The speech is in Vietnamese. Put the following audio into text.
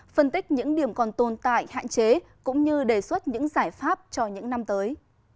phân tích những điểm còn tồn tại hạn chế cũng như đề xuất những giải pháp cho những năm tới